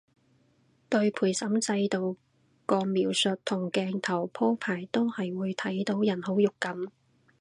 對陪審制度個描述同鏡頭鋪排都真係會睇到人好肉緊